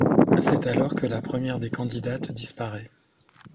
C'est alors que la première des candidates disparaît...